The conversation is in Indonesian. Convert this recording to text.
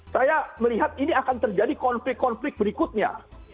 saya melihat ini akan terjadi konflik konflik berikutnya